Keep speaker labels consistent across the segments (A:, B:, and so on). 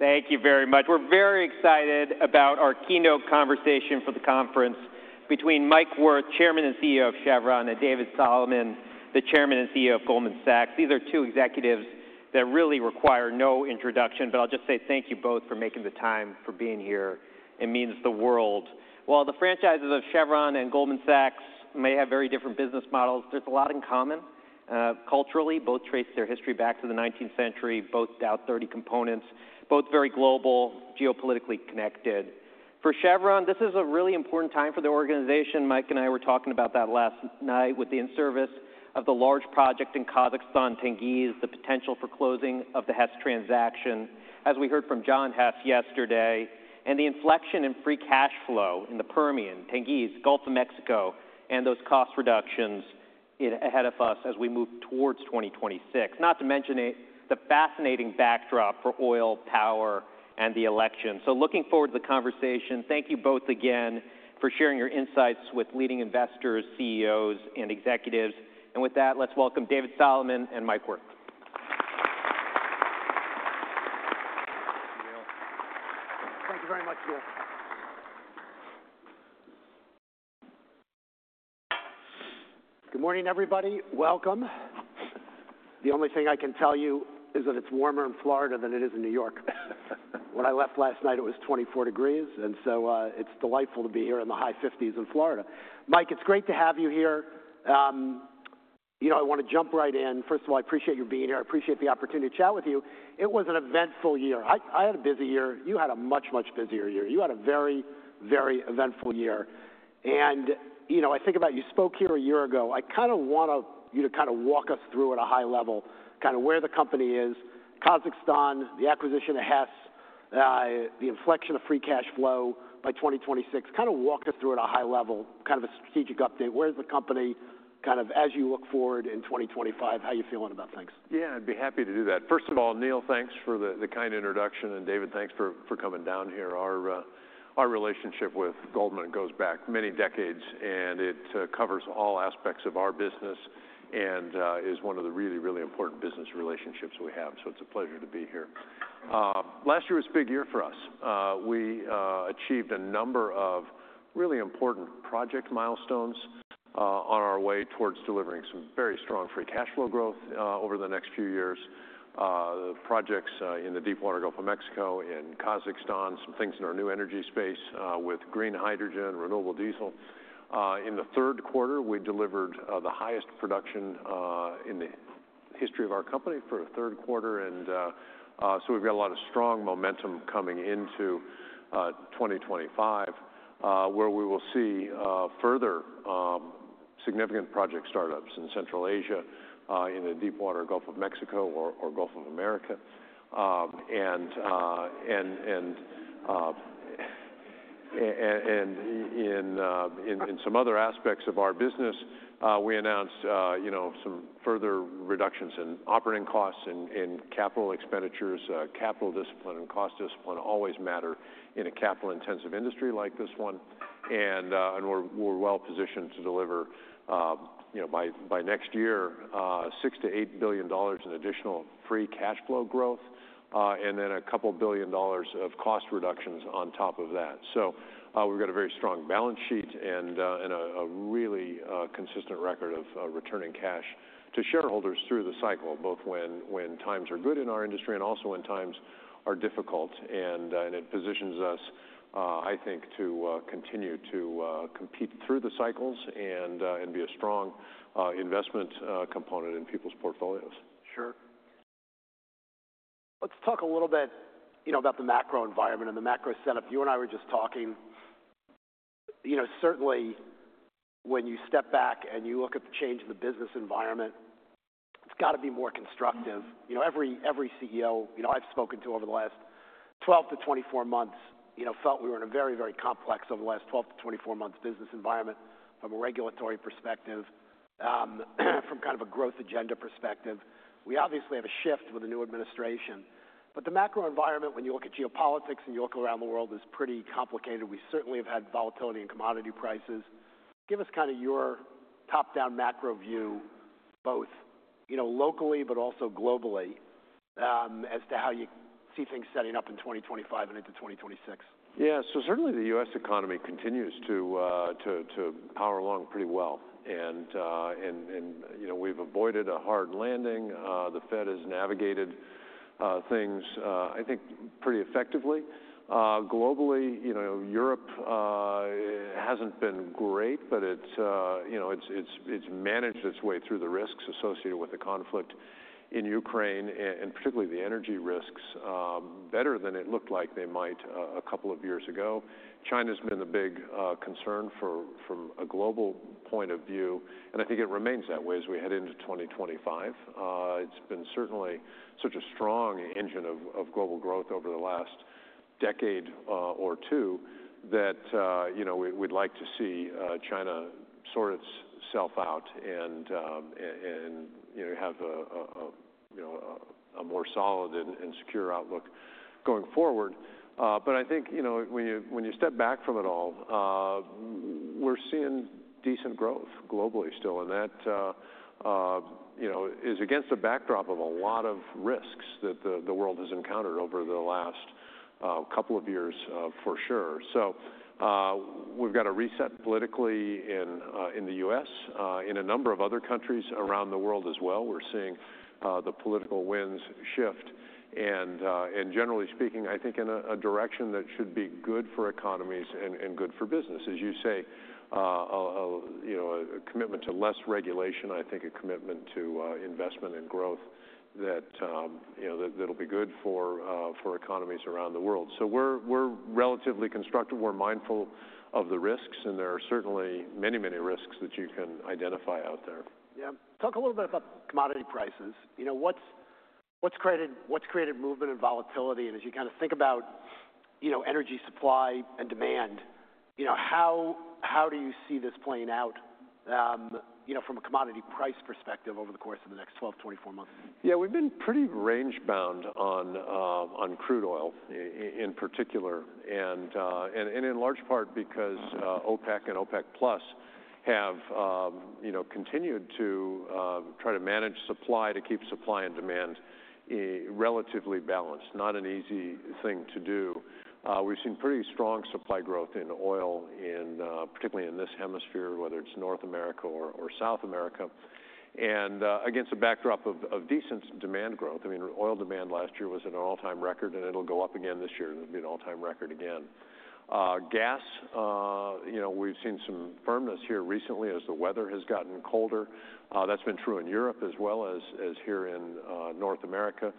A: Thank you very much. We're very excited about our keynote conversation for the conference between Mike Wirth, Chairman and CEO of Chevron, and David Solomon, the Chairman and CEO of Goldman Sachs. These are two executives that really require no introduction, but I'll just say thank you both for making the time for being here. It means the world. While the franchises of Chevron and Goldman Sachs may have very different business models, there's a lot in common. Culturally, both trace their history back to the 19th century. Both Dow 30 components. Both very global, geopolitically connected. For Chevron, this is a really important time for the organization. Mike and I were talking about that last night with the in-service of the large project in Kazakhstan, Tengiz, the potential for closing of the Hess transaction, as we heard from John Hess yesterday, and the inflection in free cash flow in the Permian, Tengiz, Gulf of Mexico, and those cost reductions ahead of us as we move towards 2026. Not to mention the fascinating backdrop for oil, power, and the election, so looking forward to the conversation. Thank you both again for sharing your insights with leading investors, CEOs, and executives, and with that, let's welcome David Solomon and Mike Wirth.
B: Thank you very much, Neil. Good morning, everybody. Welcome. The only thing I can tell you is that it's warmer in Florida than it is in New York. When I left last night, it was 24 degrees Fahrenheit, and so it's delightful to be here in the high 50s degrees Fahrenheit in Florida. Mike, it's great to have you here. You know, I want to jump right in. First of all, I appreciate your being here. I appreciate the opportunity to chat with you. It was an eventful year. I had a busy year. You had a much, much busier year. You had a very, very eventful year. And, you know, I think about you spoke here a year ago. I kind of want you to kind of walk us through at a high level, kind of where the company is, Kazakhstan, the acquisition of Hess, the inflection of free cash flow by 2026. Kind of walk us through at a high level, kind of a strategic update. Where is the company kind of as you look forward in 2025? How are you feeling about things?
C: Yeah, I'd be happy to do that. First of all, Neil, thanks for the kind introduction, and David, thanks for coming down here. Our relationship with Goldman goes back many decades, and it covers all aspects of our business and is one of the really, really important business relationships we have. So it's a pleasure to be here. Last year was a big year for us. We achieved a number of really important project milestones on our way towards delivering some very strong free cash flow growth over the next few years. The projects in the deep water Gulf of Mexico, in Kazakhstan, some things in our new energy space with green hydrogen, renewable diesel. In the third quarter, we delivered the highest production in the history of our company for the third quarter. And so we've got a lot of strong momentum coming into 2025, where we will see further significant project startups in Central Asia, in the deepwater Gulf of Mexico, or Gulf of America. In some other aspects of our business, we announced some further reductions in operating costs and capital expenditures. Capital discipline and cost discipline always matter in a capital-intensive industry like this one. We're well positioned to deliver, you know, by next year, $6-$8 billion in additional free cash flow growth, and then $2 billion of cost reductions on top of that. We've got a very strong balance sheet and a really consistent record of returning cash to shareholders through the cycle, both when times are good in our industry and also when times are difficult. It positions us, I think, to continue to compete through the cycles and be a strong investment component in people's portfolios.
A: Sure. Let's talk a little bit about the macro environment and the macro setup. You and I were just talking. You know, certainly when you step back and you look at the change in the business environment, it's got to be more constructive. You know, every CEO you know I've spoken to over the last 12-24 months, you know, felt we were in a very, very complex over the last 12-24 months business environment from a regulatory perspective, from kind of a growth agenda perspective. We obviously have a shift with the new administration, but the macro environment, when you look at geopolitics and you look around the world, is pretty complicated. We certainly have had volatility in commodity prices. Give us kind of your top-down macro view, both, you know, locally, but also globally, as to how you see things setting up in 2025 and into 2026?
C: Yeah, so certainly the U.S. economy continues to power along pretty well. And, you know, we've avoided a hard landing. The Fed has navigated things, I think, pretty effectively. Globally, you know, Europe hasn't been great, but it's managed its way through the risks associated with the conflict in Ukraine, and particularly the energy risks, better than it looked like they might a couple of years ago. China has been the big concern from a global point of view, and I think it remains that way as we head into 2025. It's been certainly such a strong engine of global growth over the last decade or two that, you know, we'd like to see China sort itself out and have a more solid and secure outlook going forward. But I think, you know, when you step back from it all, we're seeing decent growth globally still, and that, you know, is against the backdrop of a lot of risks that the world has encountered over the last couple of years, for sure. So we've got a reset politically in the U.S., in a number of other countries around the world as well. We're seeing the political winds shift. And generally speaking, I think in a direction that should be good for economies and good for business. As you say, you know, a commitment to less regulation, I think a commitment to investment and growth that, you know, that'll be good for economies around the world. So we're relatively constructive. We're mindful of the risks, and there are certainly many, many risks that you can identify out there.
A: Yeah. Talk a little bit about commodity prices. You know, what's created movement and volatility? And as you kind of think about, you know, energy supply and demand, you know, how do you see this playing out, you know, from a commodity price perspective over the course of the next 12-24 months?
C: Yeah, we've been pretty range-bound on crude oil in particular, and in large part because OPEC and OPEC+ have, you know, continued to try to manage supply to keep supply and demand relatively balanced. Not an easy thing to do. We've seen pretty strong supply growth in oil, particularly in this hemisphere, whether it's North America or South America. And against a backdrop of decent demand growth, I mean, oil demand last year was at an all-time record, and it'll go up again this year. It'll be an all-time record again. Gas, you know, we've seen some firmness here recently as the weather has gotten colder. That's been true in Europe as well as here in North America.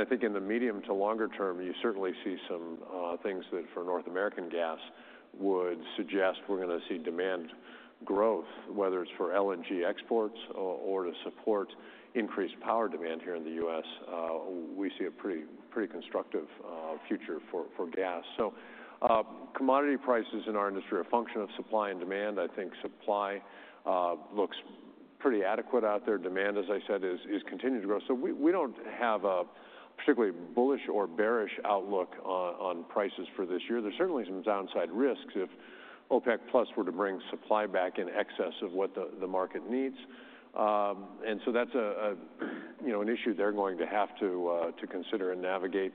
C: I think in the medium to longer term, you certainly see some things that for North American gas would suggest we're going to see demand growth, whether it's for LNG exports or to support increased power demand here in the U.S. We see a pretty constructive future for gas. So commodity prices in our industry are a function of supply and demand. I think supply looks pretty adequate out there. Demand, as I said, is continuing to grow. So we don't have a particularly bullish or bearish outlook on prices for this year. There's certainly some downside risks if OPEC+ were to bring supply back in excess of what the market needs. And so that's, you know, an issue they're going to have to consider and navigate.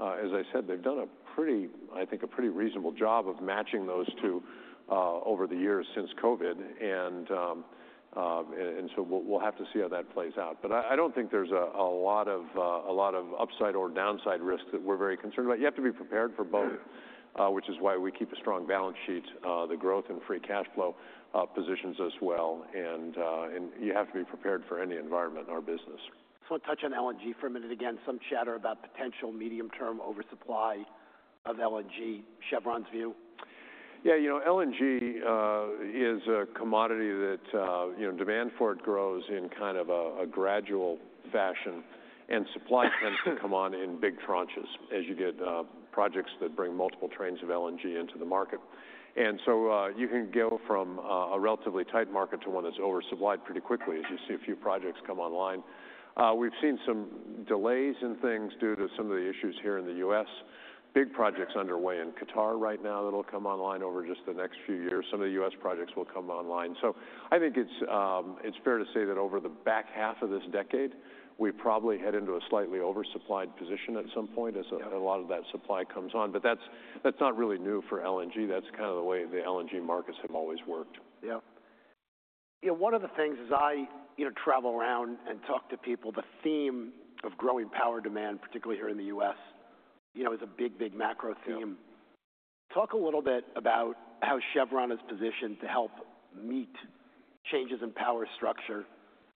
C: As I said, they've done a pretty reasonable job, I think, of matching those two over the years since COVID. And so we'll have to see how that plays out. But I don't think there's a lot of upside or downside risk that we're very concerned about. You have to be prepared for both, which is why we keep a strong balance sheet. The growth and free cash flow positions us well. And you have to be prepared for any environment in our business.
A: Let's touch on LNG for a minute again. Some chatter about potential medium-term oversupply of LNG. Chevron's view?
C: Yeah, you know, LNG is a commodity that, you know, demand for it grows in kind of a gradual fashion, and supply tends to come on in big tranches as you get projects that bring multiple trains of LNG into the market. And so you can go from a relatively tight market to one that's oversupplied pretty quickly as you see a few projects come online. We've seen some delays in things due to some of the issues here in the U.S. Big projects underway in Qatar right now that'll come online over just the next few years. Some of the U.S. projects will come online. So I think it's fair to say that over the back half of this decade, we probably head into a slightly oversupplied position at some point as a lot of that supply comes on. But that's not really new for LNG. That's kind of the way the LNG markets have always worked.
A: Yeah. You know, one of the things as I, you know, travel around and talk to people, the theme of growing power demand, particularly here in the U.S., you know, is a big, big macro theme. Talk a little bit about how Chevron is positioned to help meet changes in power structure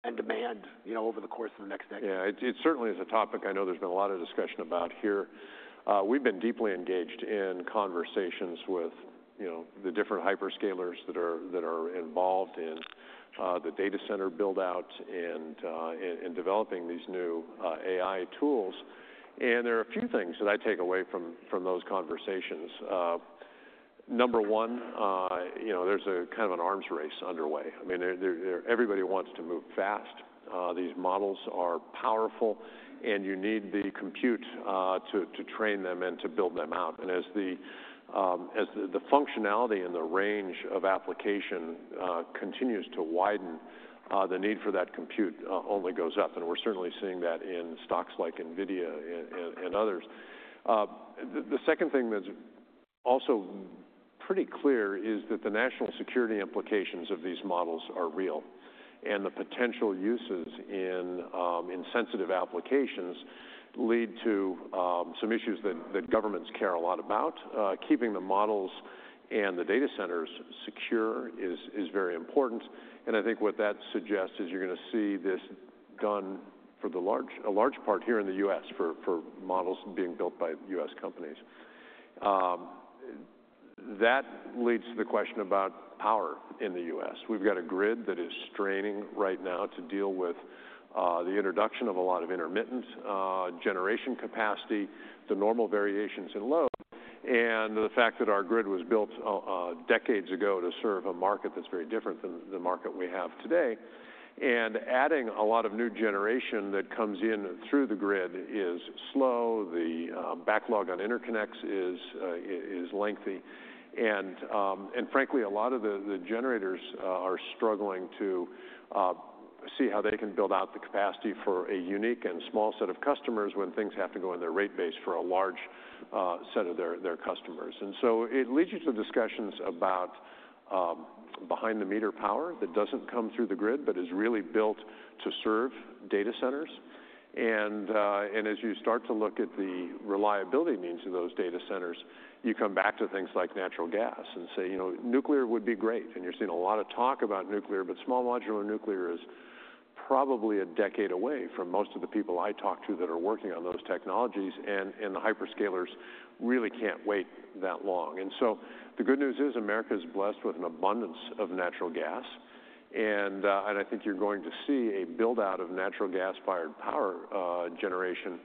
A: and demand, you know, over the course of the next decade.
C: Yeah, it certainly is a topic I know there's been a lot of discussion about here. We've been deeply engaged in conversations with, you know, the different hyperscalers that are involved in the data center buildout and developing these new AI tools, and there are a few things that I take away from those conversations, number one, you know, there's a kind of an arms race underway, I mean, everybody wants to move fast. These models are powerful, and you need the compute to train them and to build them out, and as the functionality and the range of application continues to widen, the need for that compute only goes up, and we're certainly seeing that in stocks like Nvidia and others. The second thing that's also pretty clear is that the national security implications of these models are real. The potential uses in sensitive applications lead to some issues that governments care a lot about. Keeping the models and the data centers secure is very important. I think what that suggests is you're going to see this done for a large part here in the U.S. for models being built by U.S. companies. That leads to the question about power in the U.S. We've got a grid that is straining right now to deal with the introduction of a lot of intermittent generation capacity, the normal variations in load, and the fact that our grid was built decades ago to serve a market that's very different than the market we have today. Adding a lot of new generation that comes in through the grid is slow. The backlog on interconnects is lengthy. Frankly, a lot of the generators are struggling to see how they can build out the capacity for a unique and small set of customers when things have to go in their rate base for a large set of their customers. So it leads you to discussions about behind-the-meter power that doesn't come through the grid, but is really built to serve data centers. As you start to look at the reliability needs of those data centers, you come back to things like natural gas and say, you know, nuclear would be great. You're seeing a lot of talk about nuclear, but small modular nuclear is probably a decade away from most of the people I talk to that are working on those technologies, and the hyperscalers really can't wait that long. And so the good news is America is blessed with an abundance of natural gas. And I think you're going to see a buildout of natural gas-fired power generation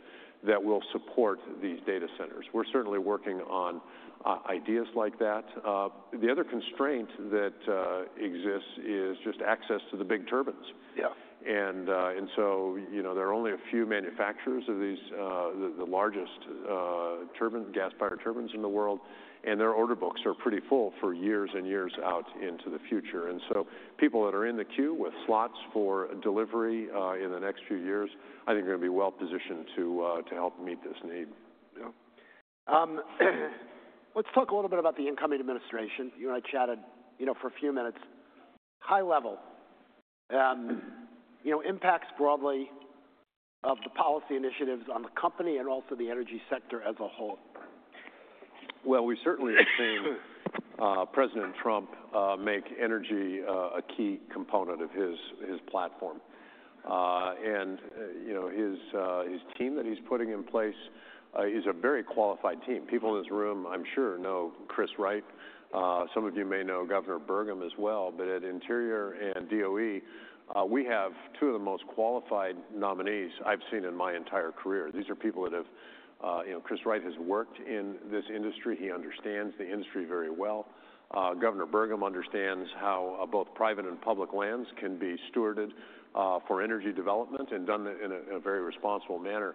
C: that will support these data centers. We're certainly working on ideas like that. The other constraint that exists is just access to the big turbines.
A: Yeah.
C: And so, you know, there are only a few manufacturers of these, the largest gas-fired turbines in the world, and their order books are pretty full for years and years out into the future. And so people that are in the queue with slots for delivery in the next few years, I think are going to be well positioned to help meet this need.
A: Yeah. Let's talk a little bit about the incoming administration. You and I chatted, you know, for a few minutes. High level, you know, impacts broadly of the policy initiatives on the company and also the energy sector as a whole.
C: Well, we certainly have seen President Trump make energy a key component of his platform. And, you know, his team that he's putting in place is a very qualified team. People in this room, I'm sure, know Chris Wright. Some of you may know Governor Burgum as well. But at Interior and DOE, we have two of the most qualified nominees I've seen in my entire career. These are people that have, you know, Chris Wright has worked in this industry. He understands the industry very well. Governor Burgum understands how both private and public lands can be stewarded for energy development and done in a very responsible manner.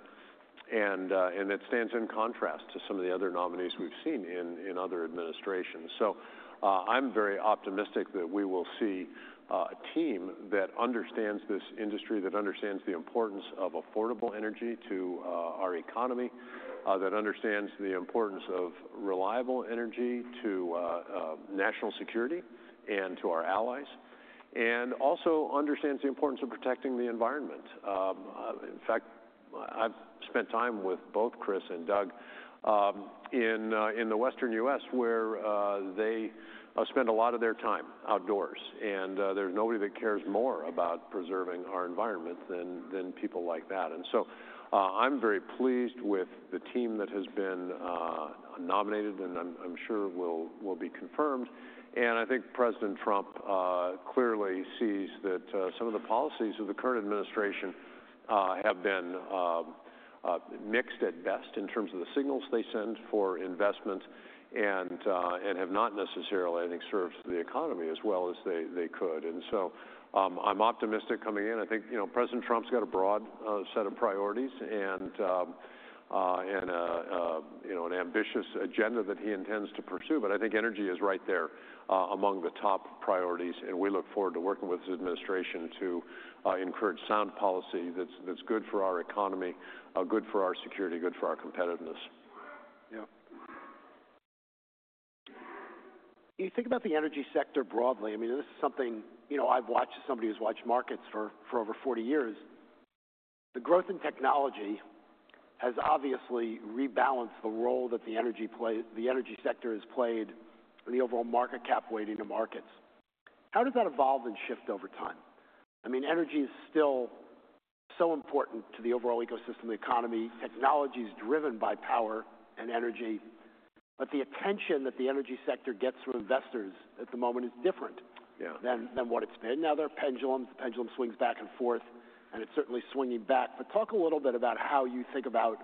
C: And that stands in contrast to some of the other nominees we've seen in other administrations. So I'm very optimistic that we will see a team that understands this industry, that understands the importance of affordable energy to our economy, that understands the importance of reliable energy to national security and to our allies, and also understands the importance of protecting the environment. In fact, I've spent time with both Chris and Doug in the Western U.S., where they spend a lot of their time outdoors. And there's nobody that cares more about preserving our environment than people like that. And so I'm very pleased with the team that has been nominated and I'm sure will be confirmed. And I think President Trump clearly sees that some of the policies of the current administration have been mixed at best in terms of the signals they send for investment and have not necessarily, I think, served the economy as well as they could. And so I'm optimistic coming in. I think, you know, President Trump's got a broad set of priorities and an ambitious agenda that he intends to pursue. But I think energy is right there among the top priorities, and we look forward to working with his administration to encourage sound policy that's good for our economy, good for our security, good for our competitiveness.
A: Yeah. You think about the energy sector broadly. I mean, this is something, you know, I've watched as somebody who's watched markets for over 40 years. The growth in technology has obviously rebalanced the role that the energy sector has played in the overall market cap weighting of markets. How does that evolve and shift over time? I mean, energy is still so important to the overall ecosystem, the economy. Technology is driven by power and energy. But the attention that the energy sector gets from investors at the moment is different than what it's been. Now there are pendulums. The pendulum swings back and forth, and it's certainly swinging back. But talk a little bit about how you think about,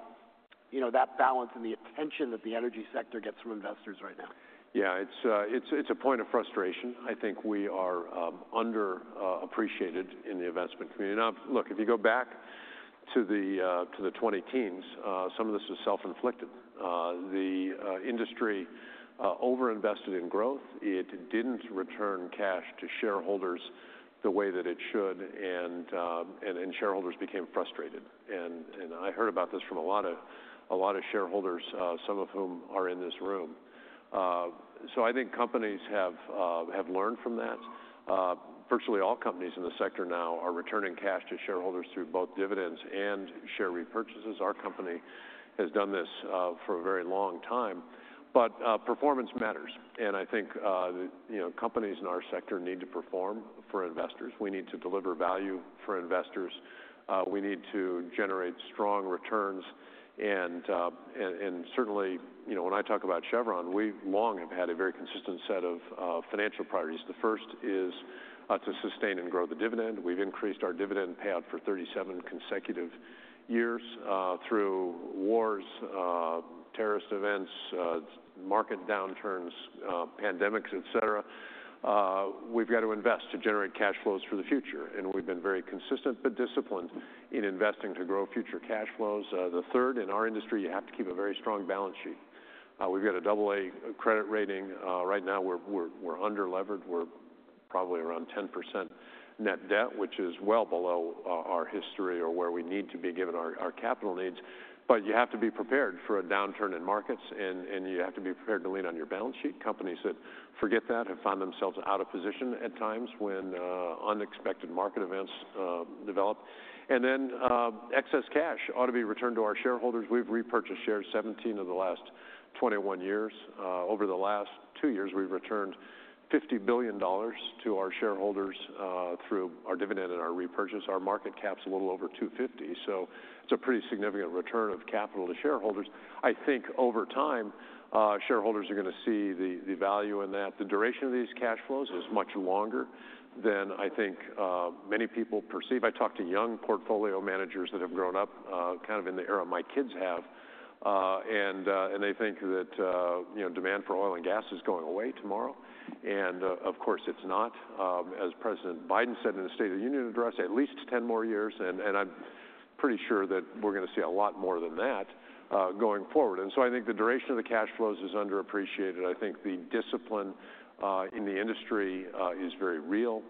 A: you know, that balance and the attention that the energy sector gets from investors right now.
C: Yeah, it's a point of frustration. I think we are underappreciated in the investment community. Now, look, if you go back to the 2010s, some of this was self-inflicted. The industry over-invested in growth. It didn't return cash to shareholders the way that it should, and shareholders became frustrated. And I heard about this from a lot of shareholders, some of whom are in this room. So I think companies have learned from that. Virtually all companies in the sector now are returning cash to shareholders through both dividends and share repurchases. Our company has done this for a very long time. But performance matters. And I think, you know, companies in our sector need to perform for investors. We need to deliver value for investors. We need to generate strong returns. Certainly, you know, when I talk about Chevron, we long have had a very consistent set of financial priorities. The first is to sustain and grow the dividend. We've increased our dividend payout for 37 consecutive years through wars, terrorist events, market downturns, pandemics, et cetera. We've got to invest to generate cash flows for the future. And we've been very consistent, but disciplined in investing to grow future cash flows. The third, in our industry, you have to keep a very strong balance sheet. We've got a double-A credit rating. Right now, we're under-levered. We're probably around 10% net debt, which is well below our history or where we need to be given our capital needs. But you have to be prepared for a downturn in markets, and you have to be prepared to lean on your balance sheet. Companies that forget that have found themselves out of position at times when unexpected market events develop, and then excess cash ought to be returned to our shareholders. We've repurchased shares, 17 of the last 21 years. Over the last two years, we've returned $50 billion to our shareholders through our dividend and our repurchase. Our market cap's a little over $250 billion. So it's a pretty significant return of capital to shareholders. I think over time, shareholders are going to see the value in that. The duration of these cash flows is much longer than I think many people perceive. I talk to young portfolio managers that have grown up kind of in the era my kids have, and they think that, you know, demand for oil and gas is going away tomorrow, and of course, it's not. As President Biden said in his State of the Union address, at least 10 more years. And I'm pretty sure that we're going to see a lot more than that going forward. And so I think the duration of the cash flows is underappreciated. I think the discipline in the industry is very real.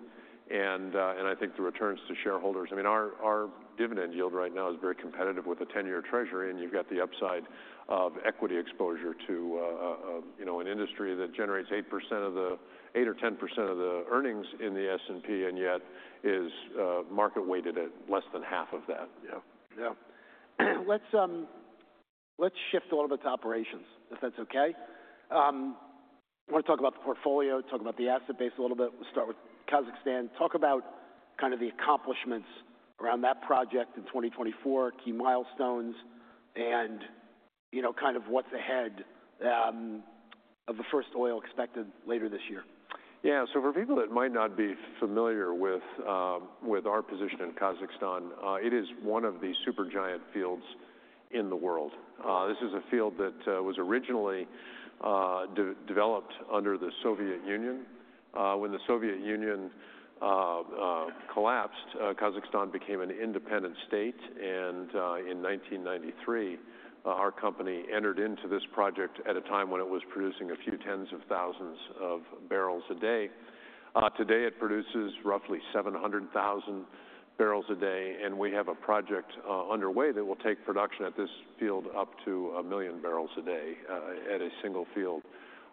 C: And I think the returns to shareholders, I mean, our dividend yield right now is very competitive with a 10-year Treasury. And you've got the upside of equity exposure to, you know, an industry that generates 8% or 10% of the earnings in the S&P, and yet is market-weighted at less than half of that.
A: Yeah. Yeah. Let's shift a little bit to operations, if that's okay. I want to talk about the portfolio, talk about the asset base a little bit. We'll start with Kazakhstan. Talk about kind of the accomplishments around that project in 2024, key milestones, and, you know, kind of what's ahead of the first oil expected later this year.
C: Yeah. For people that might not be familiar with our position in Kazakhstan, it is one of the super giant fields in the world. This is a field that was originally developed under the Soviet Union. When the Soviet Union collapsed, Kazakhstan became an independent state. In 1993, our company entered into this project at a time when it was producing a few tens of thousands of barrels a day. Today, it produces roughly 700,000 barrels a day. We have a project underway that will take production at this field up to a million barrels a day at a single field.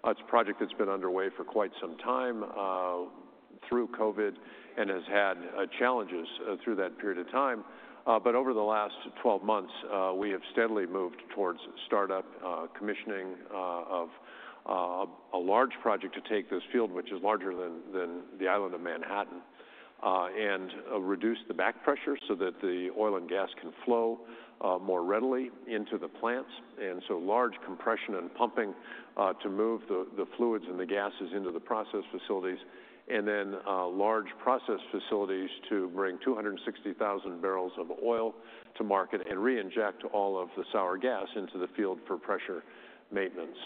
C: It's a project that's been underway for quite some time through COVID and has had challenges through that period of time. Over the last 12 months, we have steadily moved towards startup commissioning of a large project to take this field, which is larger than the island of Manhattan, and reduce the back pressure so that the oil and gas can flow more readily into the plants. Large compression and pumping to move the fluids and the gases into the process facilities. Large process facilities to bring 260,000 barrels of oil to market and reinject all of the sour gas into the field for pressure maintenance.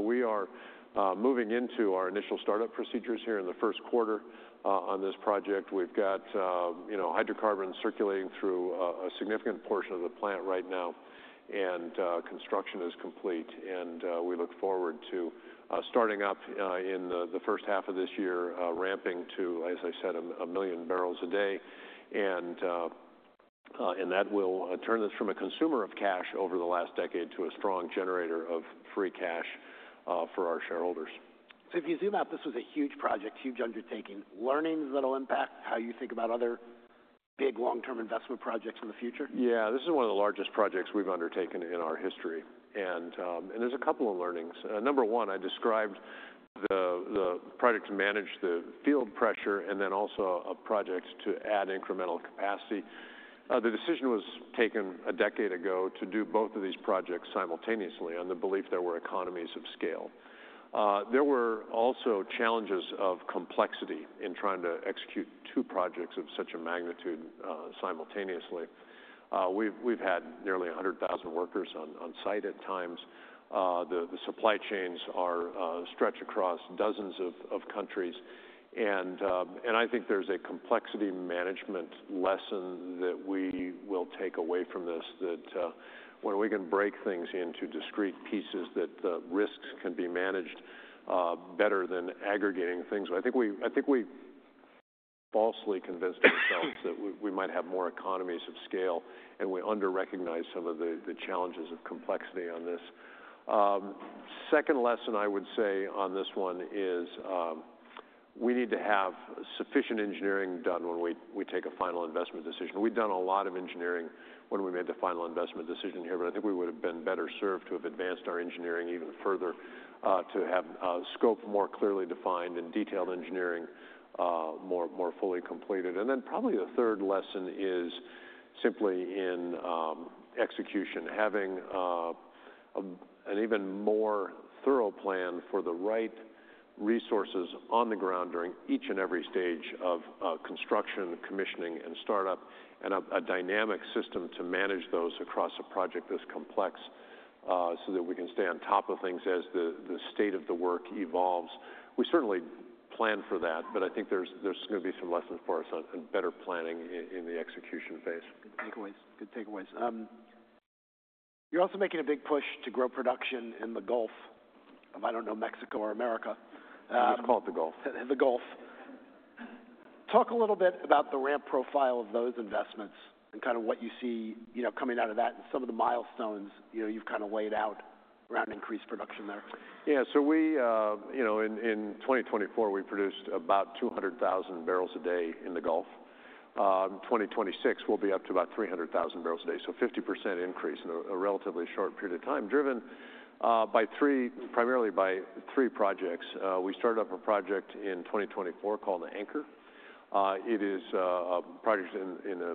C: We are moving into our initial startup procedures here in the first quarter on this project. We've got, you know, hydrocarbons circulating through a significant portion of the plant right now, and construction is complete. We look forward to starting up in the first half of this year, ramping to, as I said, 1 million barrels a day. That will turn this from a consumer of cash over the last decade to a strong generator of free cash for our shareholders.
A: So if you zoom out, this was a huge project, huge undertaking. Learnings that will impact how you think about other big long-term investment projects in the future?
C: Yeah. This is one of the largest projects we've undertaken in our history. And there's a couple of learnings. Number one, I described the project to manage the field pressure and then also a project to add incremental capacity. The decision was taken a decade ago to do both of these projects simultaneously on the belief there were economies of scale. There were also challenges of complexity in trying to execute two projects of such a magnitude simultaneously. We've had nearly 100,000 workers on site at times. The supply chains stretch across dozens of countries. And I think there's a complexity management lesson that we will take away from this, that when we can break things into discrete pieces, that risks can be managed better than aggregating things. I think we falsely convinced ourselves that we might have more economies of scale, and we under-recognize some of the challenges of complexity on this. Second lesson, I would say on this one is we need to have sufficient engineering done when we take a final investment decision. We've done a lot of engineering when we made the final investment decision here, but I think we would have been better served to have advanced our engineering even further, to have scope more clearly defined and detailed engineering more fully completed. And then probably the third lesson is simply in execution, having an even more thorough plan for the right resources on the ground during each and every stage of construction, commissioning, and startup, and a dynamic system to manage those across a project this complex so that we can stay on top of things as the state of the work evolves. We certainly plan for that, but I think there's going to be some lessons for us on better planning in the execution phase.
A: Good takeaways. Good takeaways. You're also making a big push to grow production in the Gulf of, I don't know, Mexico or America.
C: Let's call it the Gulf.
A: The Gulf. Talk a little bit about the ramp profile of those investments and kind of what you see, you know, coming out of that and some of the milestones, you know, you've kind of laid out around increased production there.
C: Yeah. So we, you know, in 2024, we produced about 200,000 barrels a day in the Gulf. In 2026, we'll be up to about 300,000 barrels a day. So 50% increase in a relatively short period of time, driven primarily by three projects. We started up a project in 2024 called the Anchor. It is a project in a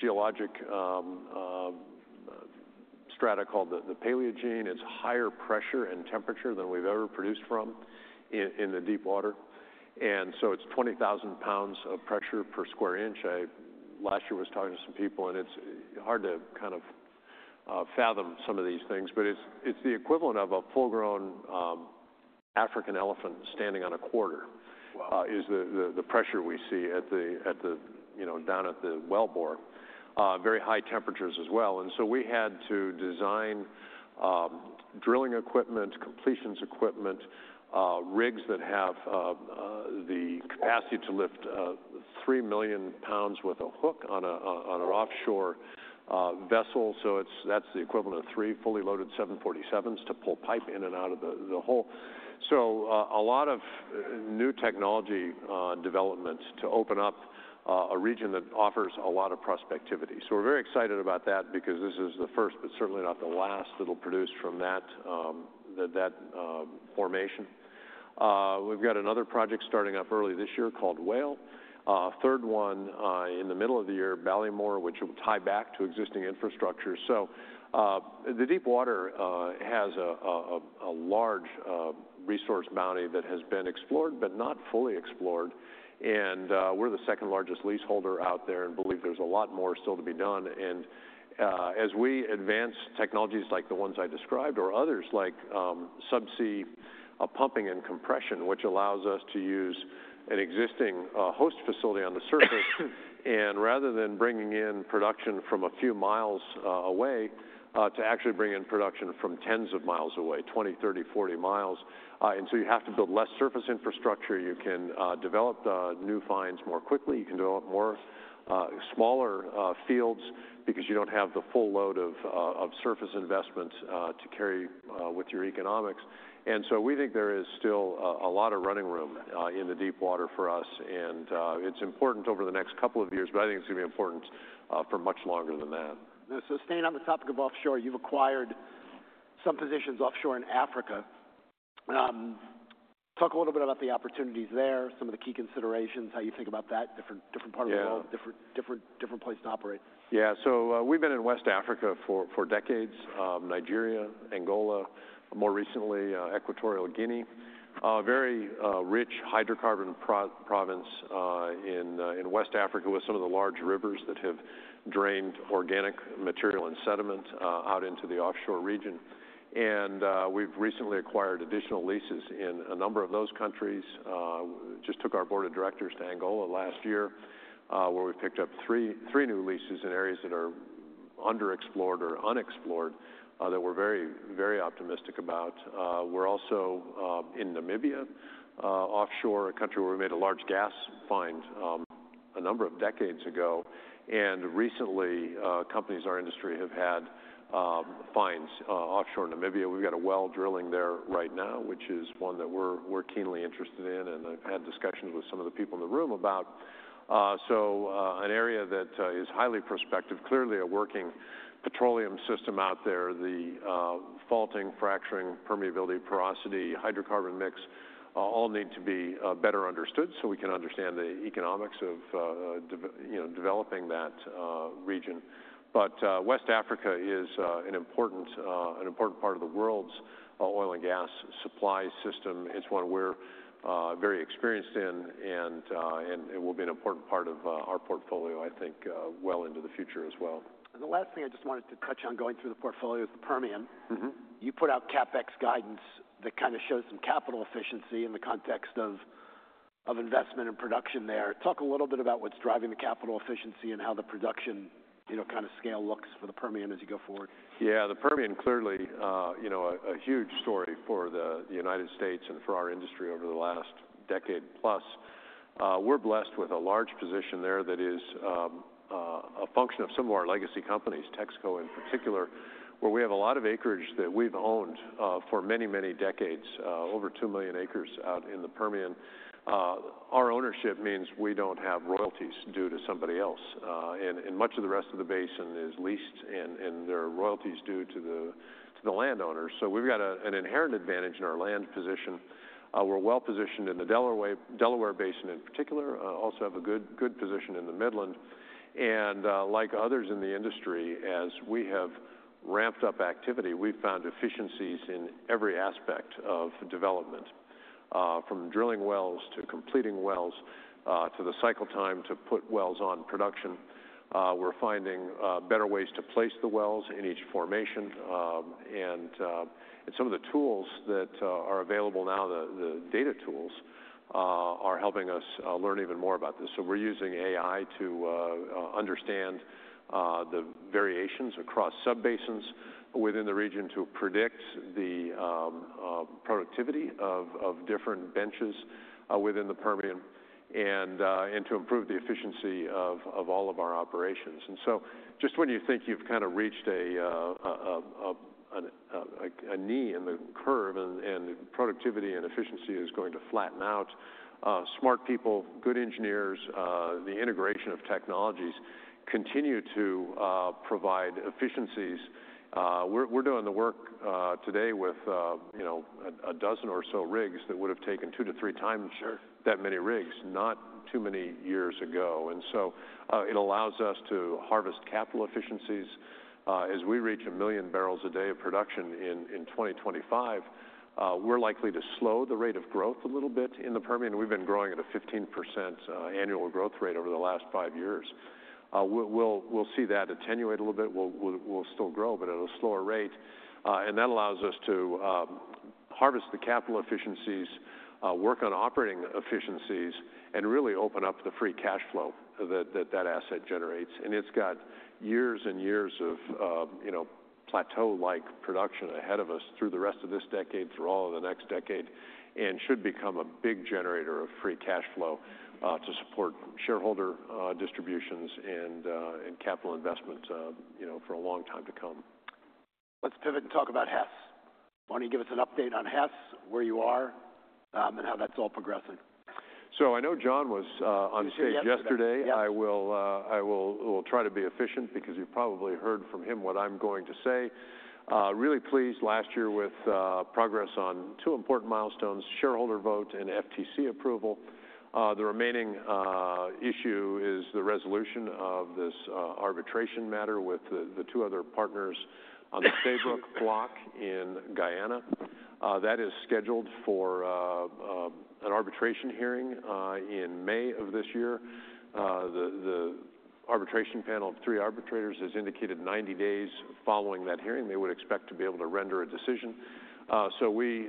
C: geologic strata called the Paleogene. It's higher pressure and temperature than we've ever produced from in the deep water. And so it's 20,000 pounds of pressure per square inch. Last year, I was talking to some people, and it's hard to kind of fathom some of these things, but it's the equivalent of a full-grown African elephant standing on a quarter is the pressure we see at the, you know, down at the well bore. Very high temperatures as well. And so we had to design drilling equipment, completions equipment, rigs that have the capacity to lift three million pounds with a hook on an offshore vessel. So that's the equivalent of three fully loaded 747s to pull pipe in and out of the hole. So a lot of new technology development to open up a region that offers a lot of prospectivity. So we're very excited about that because this is the first, but certainly not the last that'll produce from that formation. We've got another project starting up early this year called Whale. Third one in the middle of the year, Ballymore, which will tie back to existing infrastructure. So the deep water has a large resource bounty that has been explored, but not fully explored. And we're the second largest leaseholder out there and believe there's a lot more still to be done. And as we advance technologies like the ones I described or others like subsea pumping and compression, which allows us to use an existing host facility on the surface. And rather than bringing in production from a few miles away, to actually bring in production from tens of miles away, 20, 30, 40 miles. And so you have to build less surface infrastructure. You can develop new finds more quickly. You can develop more smaller fields because you don't have the full load of surface investments to carry with your economics. And so we think there is still a lot of running room in the deep water for us. And it's important over the next couple of years, but I think it's going to be important for much longer than that.
A: So, staying on the topic of offshore, you've acquired some positions offshore in Africa. Talk a little bit about the opportunities there, some of the key considerations, how you think about that, different part of the world, different place to operate.
C: Yeah. So we've been in West Africa for decades, Nigeria, Angola, more recently Equatorial Guinea, a very rich hydrocarbon province in West Africa with some of the large rivers that have drained organic material and sediment out into the offshore region. And we've recently acquired additional leases in a number of those countries. Just took our board of directors to Angola last year, where we picked up three new leases in areas that are underexplored or unexplored that we're very, very optimistic about. We're also in Namibia, offshore, a country where we made a large gas find a number of decades ago. And recently, companies in our industry have had finds offshore in Namibia. We've got a well drilling there right now, which is one that we're keenly interested in and have had discussions with some of the people in the room about. So an area that is highly prospective, clearly a working petroleum system out there. The faulting, fracturing, permeability, porosity, hydrocarbon mix all need to be better understood so we can understand the economics of, you know, developing that region. But West Africa is an important part of the world's oil and gas supply system. It's one we're very experienced in, and it will be an important part of our portfolio, I think, well into the future as well.
A: The last thing I just wanted to touch on going through the portfolio is the Permian. You put out CapEx guidance that kind of shows some capital efficiency in the context of investment and production there. Talk a little bit about what's driving the capital efficiency and how the production, you know, kind of scale looks for the Permian as you go forward.
C: Yeah. The Permian clearly, you know, a huge story for the United States and for our industry over the last decade plus. We're blessed with a large position there that is a function of some of our legacy companies, Texaco in particular, where we have a lot of acreage that we've owned for many, many decades, over two million acres out in the Permian. Our ownership means we don't have royalties due to somebody else. And much of the rest of the basin is leased and there are royalties due to the landowners. So we've got an inherent advantage in our land position. We're well positioned in the Delaware Basin in particular, also have a good position in the Midland. And like others in the industry, as we have ramped up activity, we've found efficiencies in every aspect of development, from drilling wells to completing wells to the cycle time to put wells on production. We're finding better ways to place the wells in each formation. And some of the tools that are available now, the data tools, are helping us learn even more about this. So we're using AI to understand the variations across subbasins within the region to predict the productivity of different benches within the Permian and to improve the efficiency of all of our operations. And so just when you think you've kind of reached a knee in the curve and productivity and efficiency is going to flatten out, smart people, good engineers, the integration of technologies continue to provide efficiencies. We're doing the work today with, you know, a dozen or so rigs that would have taken two to three times that many rigs not too many years ago, and so it allows us to harvest capital efficiencies. As we reach a million barrels a day of production in 2025, we're likely to slow the rate of growth a little bit in the Permian. We've been growing at a 15% annual growth rate over the last five years. We'll see that attenuate a little bit. We'll still grow, but at a slower rate, and that allows us to harvest the capital efficiencies, work on operating efficiencies, and really open up the free cash flow that that asset generates. It's got years and years of, you know, plateau-like production ahead of us through the rest of this decade, through all of the next decade, and should become a big generator of free cash flow to support shareholder distributions and capital investment, you know, for a long time to come.
A: Let's pivot and talk about Hess. Why don't you give us an update on Hess, where you are, and how that's all progressing?
C: So I know John was on stage yesterday. I will try to be efficient because you've probably heard from him what I'm going to say. Really pleased last year with progress on two important milestones, shareholder vote and FTC approval. The remaining issue is the resolution of this arbitration matter with the two other partners on the Stabroek Block in Guyana. That is scheduled for an arbitration hearing in May of this year. The arbitration panel of three arbitrators has indicated 90 days following that hearing. They would expect to be able to render a decision. So we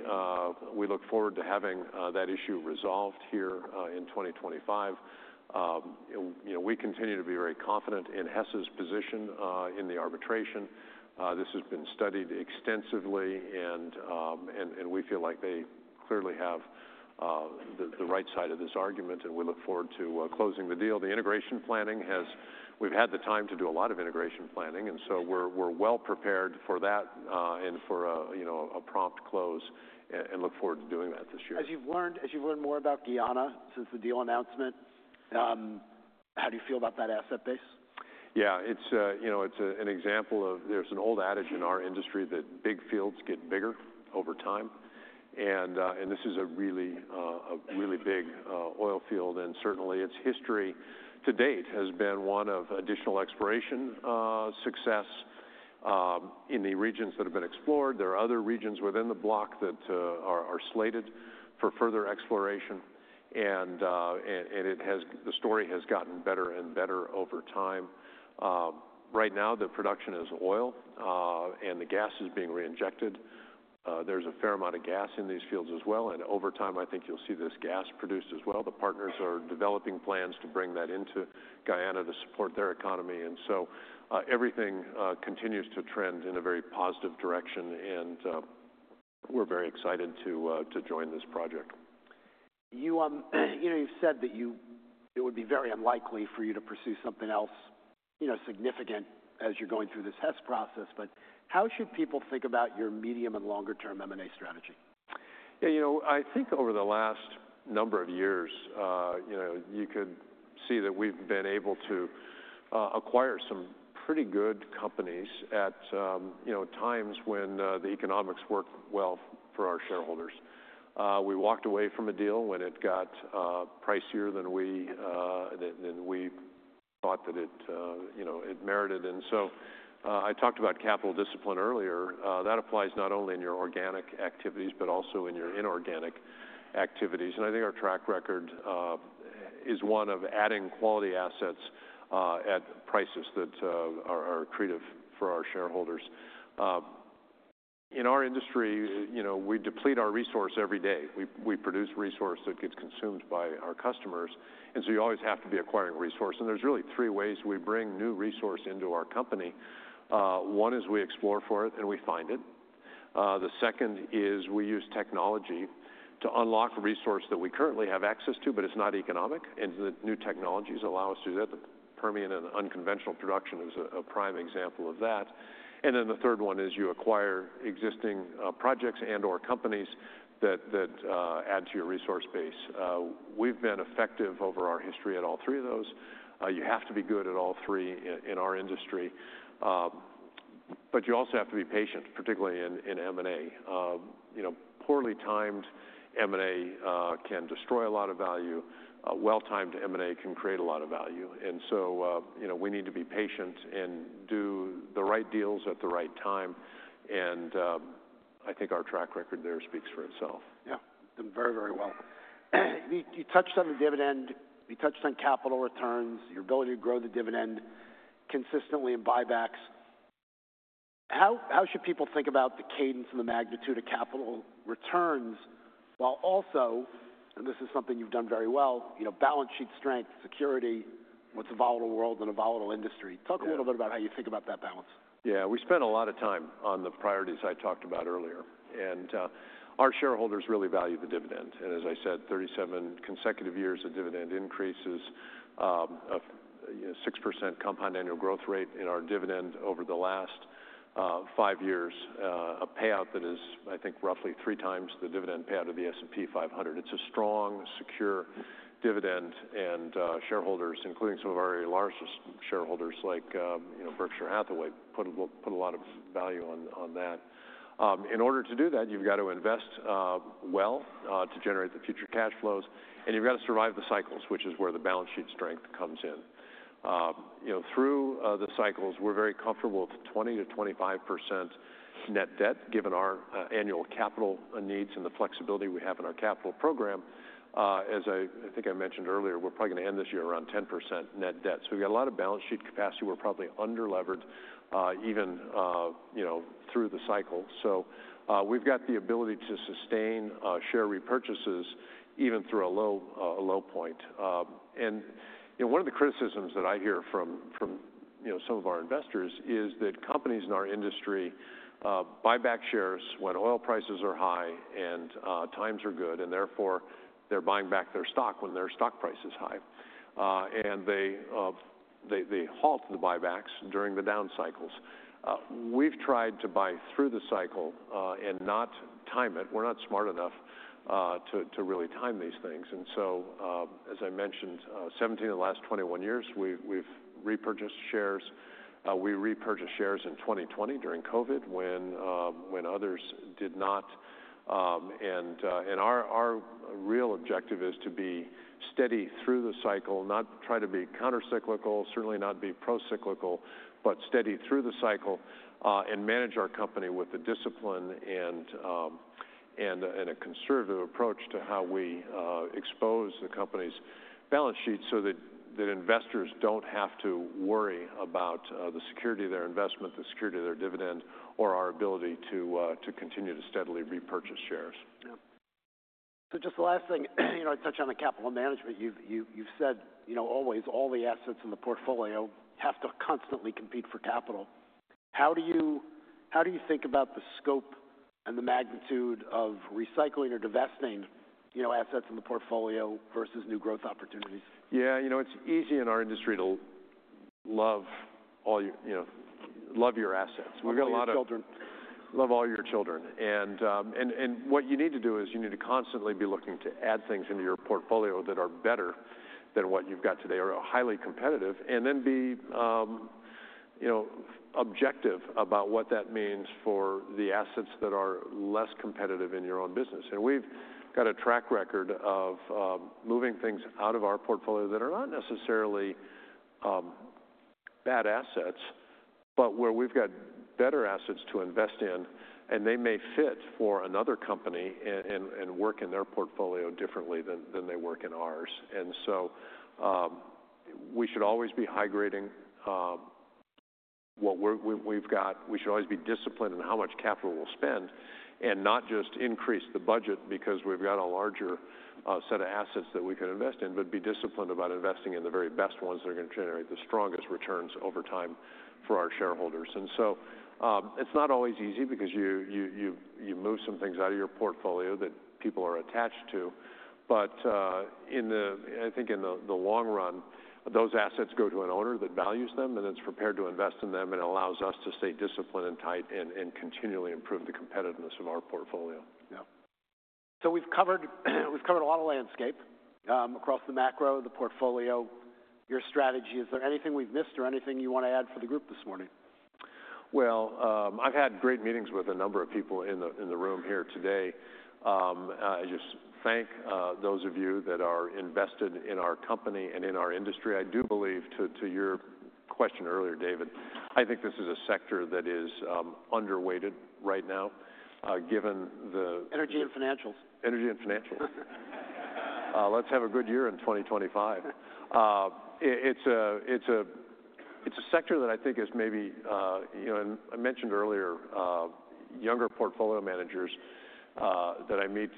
C: look forward to having that issue resolved here in 2025. You know, we continue to be very confident in Hess's position in the arbitration. This has been studied extensively, and we feel like they clearly have the right side of this argument, and we look forward to closing the deal. The integration planning, we've had the time to do a lot of integration planning, and so we're well prepared for that and for, you know, a prompt close and look forward to doing that this year.
A: As you've learned more about Guyana since the deal announcement, how do you feel about that asset base?
C: Yeah. It's, you know, it's an example of, there's an old adage in our industry that big fields get bigger over time. And this is a really big oil field, and certainly its history to date has been one of additional exploration success in the regions that have been explored. There are other regions within the block that are slated for further exploration. And the story has gotten better and better over time. Right now, the production is oil, and the gas is being reinjected. There's a fair amount of gas in these fields as well. And over time, I think you'll see this gas produced as well. The partners are developing plans to bring that into Guyana to support their economy. And so everything continues to trend in a very positive direction, and we're very excited to join this project.
A: You know, you've said that it would be very unlikely for you to pursue something else, you know, significant as you're going through this Hess process, but how should people think about your medium and longer-term M&A strategy?
C: Yeah. You know, I think over the last number of years, you know, you could see that we've been able to acquire some pretty good companies at, you know, times when the economics worked well for our shareholders. We walked away from a deal when it got pricier than we thought that it, you know, it merited. And so I talked about capital discipline earlier. That applies not only in your organic activities, but also in your inorganic activities. And I think our track record is one of adding quality assets at prices that are creative for our shareholders. In our industry, you know, we deplete our resource every day. We produce resource that gets consumed by our customers. And so you always have to be acquiring resource. And there's really three ways we bring new resource into our company. One is we explore for it and we find it. The second is we use technology to unlock resource that we currently have access to, but it's not economic. And the new technologies allow us to do that. The Permian and unconventional production is a prime example of that. And then the third one is you acquire existing projects and/or companies that add to your resource base. We've been effective over our history at all three of those. You have to be good at all three in our industry, but you also have to be patient, particularly in M&A. You know, poorly timed M&A can destroy a lot of value. Well-timed M&A can create a lot of value. And so, you know, we need to be patient and do the right deals at the right time. And I think our track record there speaks for itself.
A: Yeah. Very, very well. You touched on the dividend. You touched on capital returns, your ability to grow the dividend consistently and buybacks. How should people think about the cadence and the magnitude of capital returns while also, and this is something you've done very well, you know, balance sheet strength, security, what's a volatile world and a volatile industry? Talk a little bit about how you think about that balance.
C: Yeah. We spent a lot of time on the priorities I talked about earlier. And our shareholders really value the dividend. And as I said, 37 consecutive years of dividend increases, a 6% compound annual growth rate in our dividend over the last five years, a payout that is, I think, roughly three times the dividend payout of the S&P 500. It's a strong, secure dividend. And shareholders, including some of our largest shareholders like, you know, Berkshire Hathaway, put a lot of value on that. In order to do that, you've got to invest well to generate the future cash flows. And you've got to survive the cycles, which is where the balance sheet strength comes in. You know, through the cycles, we're very comfortable with 20%-25% net debt, given our annual capital needs and the flexibility we have in our capital program. As I think I mentioned earlier, we're probably going to end this year around 10% net debt. So we've got a lot of balance sheet capacity. We're probably underleveraged even, you know, through the cycle. So we've got the ability to sustain share repurchases even through a low point, and you know, one of the criticisms that I hear from, you know, some of our investors is that companies in our industry buy back shares when oil prices are high and times are good, and therefore they're buying back their stock when their stock price is high. And they halt the buybacks during the down cycles. We've tried to buy through the cycle and not time it. We're not smart enough to really time these things, and so, as I mentioned, 17 of the last 21 years, we've repurchased shares. We repurchased shares in 2020 during COVID when others did not. And our real objective is to be steady through the cycle, not try to be countercyclical, certainly not be procyclical, but steady through the cycle and manage our company with the discipline and a conservative approach to how we expose the company's balance sheet so that investors don't have to worry about the security of their investment, the security of their dividend, or our ability to continue to steadily repurchase shares.
A: So just the last thing, you know, I touched on the capital management. You've said, you know, always all the assets in the portfolio have to constantly compete for capital. How do you think about the scope and the magnitude of recycling or divesting, you know, assets in the portfolio versus new growth opportunities?
C: Yeah. You know, it's easy in our industry to love all your, you know, love your assets. We've got a lot of.
A: Love your children.
C: Love all your children. And what you need to do is you need to constantly be looking to add things into your portfolio that are better than what you've got today or are highly competitive, and then be, you know, objective about what that means for the assets that are less competitive in your own business. And we've got a track record of moving things out of our portfolio that are not necessarily bad assets, but where we've got better assets to invest in, and they may fit for another company and work in their portfolio differently than they work in ours. And so we should always be high-grading what we've got. We should always be disciplined in how much capital we'll spend and not just increase the budget because we've got a larger set of assets that we can invest in, but be disciplined about investing in the very best ones that are going to generate the strongest returns over time for our shareholders. And so it's not always easy because you move some things out of your portfolio that people are attached to. But I think in the long run, those assets go to an owner that values them and is prepared to invest in them and allows us to stay disciplined and tight and continually improve the competitiveness of our portfolio.
A: Yeah. So we've covered a lot of landscape across the macro, the portfolio, your strategy. Is there anything we've missed or anything you want to add for the group this morning?
C: I've had great meetings with a number of people in the room here today. I just thank those of you that are invested in our company and in our industry. I do believe to your question earlier, David, I think this is a sector that is underweighted right now given the.
A: Energy and financials.
C: Energy and financials. Let's have a good year in 2025. It's a sector that I think is maybe, you know, and I mentioned earlier, younger portfolio managers that I meet,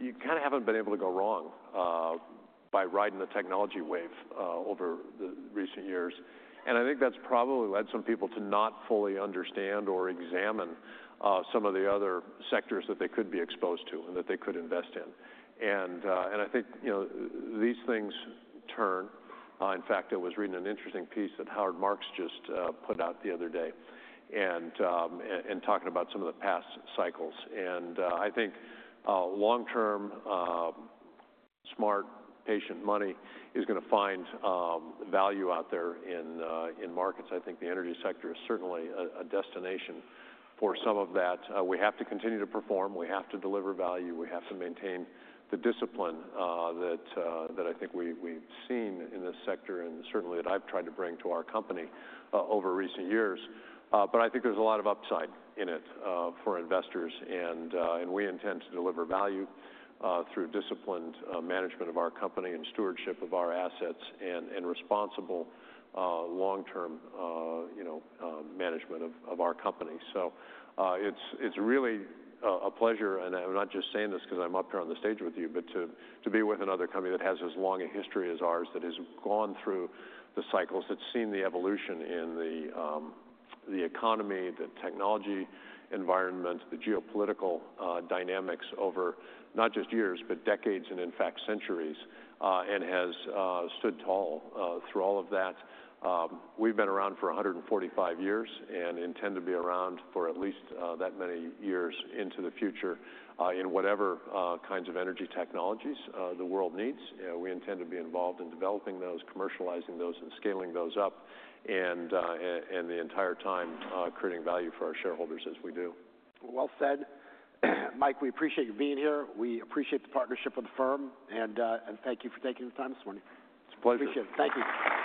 C: you kind of haven't been able to go wrong by riding the technology wave over the recent years. And I think that's probably led some people to not fully understand or examine some of the other sectors that they could be exposed to and that they could invest in. And I think, you know, these things turn. In fact, I was reading an interesting piece that Howard Marks just put out the other day, talking about some of the past cycles. And I think long-term smart, patient money is going to find value out there in markets. I think the energy sector is certainly a destination for some of that. We have to continue to perform. We have to deliver value. We have to maintain the discipline that I think we've seen in this sector and certainly that I've tried to bring to our company over recent years. But I think there's a lot of upside in it for investors, and we intend to deliver value through disciplined management of our company and stewardship of our assets and responsible long-term, you know, management of our company, so it's really a pleasure, and I'm not just saying this because I'm up here on the stage with you, but to be with another company that has as long a history as ours that has gone through the cycles, that's seen the evolution in the economy, the technology environment, the geopolitical dynamics over not just years, but decades and in fact centuries, and has stood tall through all of that. We've been around for 145 years and intend to be around for at least that many years into the future in whatever kinds of energy technologies the world needs. We intend to be involved in developing those, commercializing those, and scaling those up, and the entire time creating value for our shareholders as we do.
A: Well said. Mike, we appreciate you being here. We appreciate the partnership with the firm, and thank you for taking the time this morning.
C: It's a pleasure.
A: Appreciate it. Thank you.